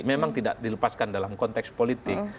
memang tidak dilepaskan dalam konteks politik